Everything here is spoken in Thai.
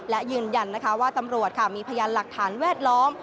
และยืนยันนะคะว่าตำรวจมีพยานหลักฐานแวดล้อม